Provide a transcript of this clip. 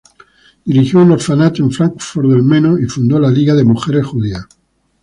Dirigió un orfanato en Fráncfort del Meno y fundó la liga de mujeres judías.